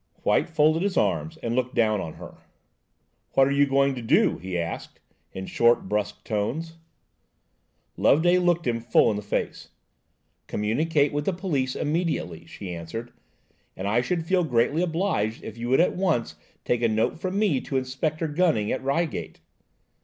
White folded his arms and looked down on her. "What are you going to do?" he asked, in short, brusque tones. Loveday looked him full in the face. "Communicate with the police immediately," she answered; "and I should feel greatly obliged if you will at once take a note from me to Inspector Gunning at Reigate."